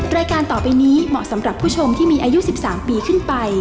รายการต่อไปนี้เหมาะสำหรับผู้ชมที่มีอายุ๑๓ปีขึ้นไป